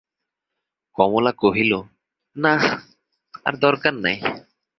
কমলা কহিল, না, আর দরকার নাই।